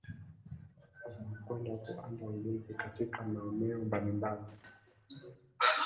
wanaokwenda kuaanda ulinzi katika maeneo mbalimbali